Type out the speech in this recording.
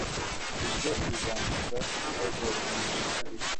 ibyo bizankiza ibibazo byinshi